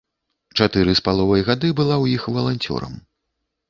Чатыры з паловай гады была ў іх валанцёрам.